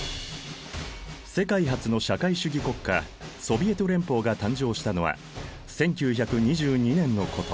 世界初の社会主義国家ソヴィエト連邦が誕生したのは１９２２年のこと。